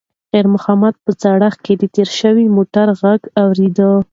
خیر محمد په سړک کې د تېرو شویو موټرو غږ اورېده.